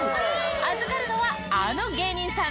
預かるのはあの芸人さん！